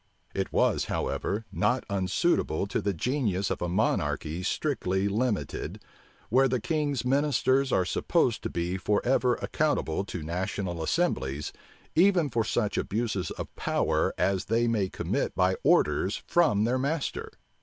It was, however, not unsuitable to the genius of a monarchy strictly limited, where the king's ministers are supposed to be forever accountable to national assemblies, even for such abuses of power as they may commit by orders from their master.